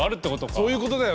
そういうことだよ。